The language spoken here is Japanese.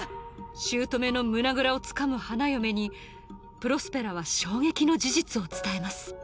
姑の胸ぐらをつかむ花嫁にプロスペラは衝撃の事実を伝えます